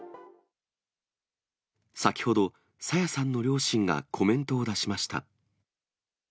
先ほど、朝芽さんの両親がコメントを出しました。